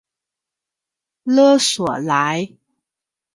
勒索莱。